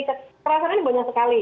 kekerasan ini banyak sekali